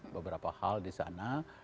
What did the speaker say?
beberapa hal di sana